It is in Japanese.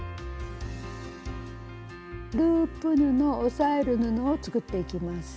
ループ布押さえる布を作っていきます。